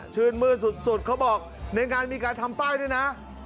ชื่นมืดสุดเขาบอกในงานมีการทำป้ายด้วยนะ